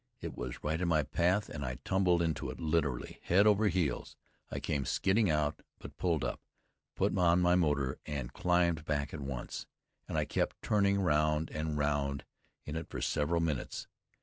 It was right in my path and I tumbled into it, literally, head over heels. I came skidding out, but pulled up, put on my motor, and climbed back at once; and I kept turning round and round in it for several minutes.